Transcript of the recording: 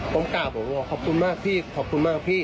ก้มกราบผมก็บอกขอบคุณมากพี่ขอบคุณมากพี่